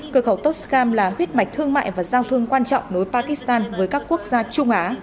cửa khẩu tostkham là huyết mạch thương mại và giao thương quan trọng nối pakistan với các quốc gia trung á